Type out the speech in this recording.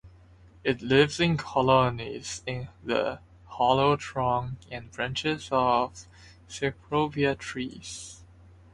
It lives in colonies in the hollow trunk and branches of "Cecropia" trees.